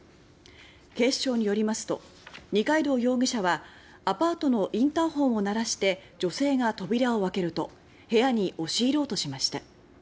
警視庁によりますと二階堂容疑者はアパートのインターホンを鳴らして女性が扉を開けると部屋に押し入ろうとしました。